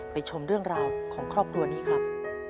ชมเรื่องราวของครอบครัวนี้ครับ